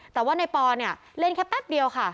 แต่ว่าในปอเนี่ยเล่นแค่แป๊บเดียวค่ะ